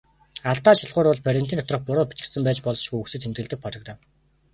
Алдаа шалгуур бол баримтын доторх буруу бичигдсэн байж болзошгүй үгсийг тэмдэглэдэг программ.